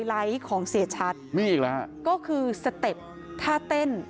ติดตอบมาได้ถ้าใครอยากจะให้เต้น